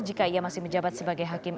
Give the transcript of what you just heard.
jika ia masih menjabat sebagai hakim